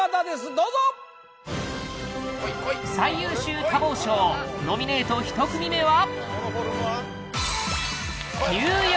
どうぞ最優秀多忙賞ノミネート１組目は？